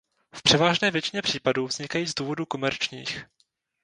V převážné většině případů vznikají z důvodů komerčních.